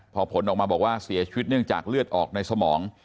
พอผลออกมาบอกว่าเสียชีวิตเนื่องจากเลือดออกในสมอง